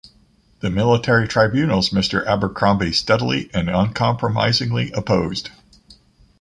The military tribunals Mr. Abercromby steadily and uncompromisingly opposed.